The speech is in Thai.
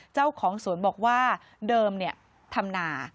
เจ้าของสวนบอกว่าเดิมทำนา